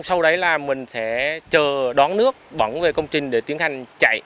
sau đó mình sẽ chờ đón nước bỏng về công trình